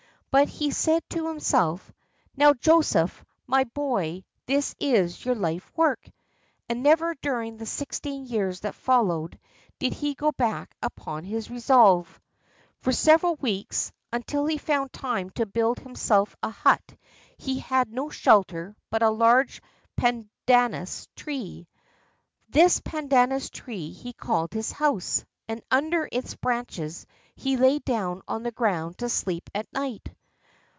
But he said to himself, ''Now Joseph, my boy, this is your Hfe work!" And never during the sixteen years that followed did he go back upon his resolve. For several weeks, until he foimd time to build him self a hut, he had no shelter but a large pandanus tree. This pandanus tree he called his house, and under its branches he lay down on the ground to sleep at night.